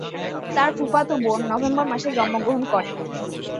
তার ফুফাতো বোন নভেম্বর মাসে জন্মগ্রহণ করে।